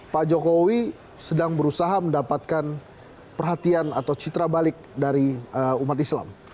pak jokowi sedang berusaha mendapatkan perhatian atau citra balik dari umat islam